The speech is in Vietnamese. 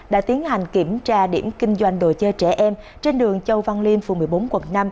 đã tiến hành kiểm tra điểm kinh doanh đồ chơi trẻ em trên đường châu văn liêm phường một mươi bốn quận năm